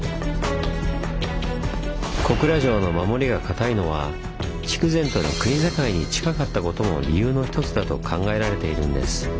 小倉城の守りが堅いのは筑前との国境に近かったことも理由の一つだと考えられているんです。